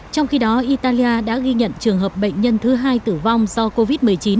trong khi đó italia đã ghi nhận trường hợp bệnh nhân thứ hai tử vong do covid một mươi chín